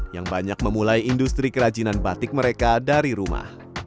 yang banyak memulai industri kerajinan batik mereka dari rumah